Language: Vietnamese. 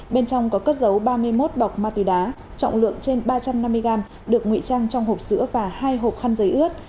bên trong có cất dấu ba mươi một bọc ma túy đá trọng lượng trên ba trăm năm mươi gram được nguy trang trong hộp sữa và hai hộp khăn giấy ướt